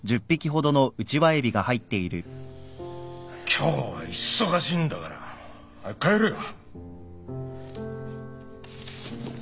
今日は忙しいんだから早く帰れよ。